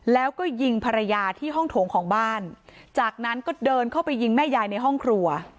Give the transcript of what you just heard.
แล้วก็ยิงภรรยาที่ห้องโถงของบ้านจากนั้นก็เดินเข้าไปยิงแม่ยายในห้องครัว